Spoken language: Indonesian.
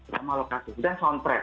drama lokasi dan soundtrack